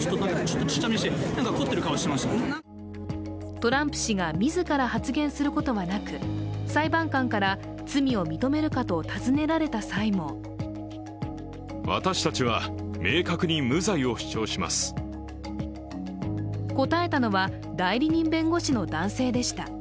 トランプ氏が自ら発言することはなく、裁判官から罪を認めるかと尋ねられた際も答えたのは代理人弁護士の男性でした。